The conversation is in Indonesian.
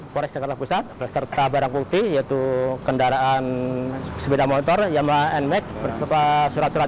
polisi menangkap pelaku di rumahnya di brebes jawa